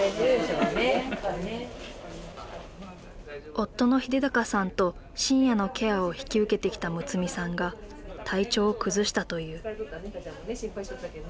夫の英尚さんと深夜のケアを引き受けてきた睦さんが体調を崩したという。